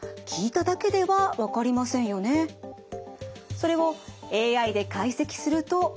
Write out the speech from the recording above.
それをＡＩで解析すると。